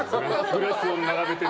グラスを並べて。